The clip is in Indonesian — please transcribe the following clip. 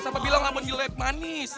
siapa bilang kamu jelek manis